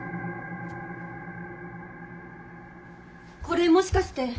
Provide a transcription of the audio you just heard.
これもしかして。